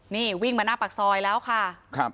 นี่วิ่งมาหน้าปากซอยแล้วค่ะ